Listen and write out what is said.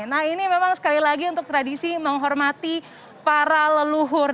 nah ini memang sekali lagi untuk tradisi menghormati para leluhur